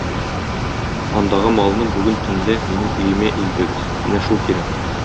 Андагы малны бүген төнлә минем өемә илтегез, менә шул кирәк.